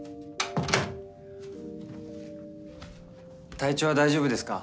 体調は大丈夫ですか？